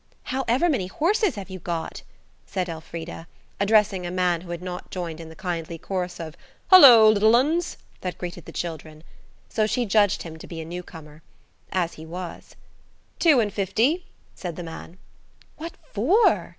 "How ever many horses have you got?" said Elfrida, addressing a man who had not joined in the kindly chorus of "Hulloa, little 'uns!" that greeted the children. So she judged him to be a new corner. As he was. "Two and fifty," said the man. "What for?"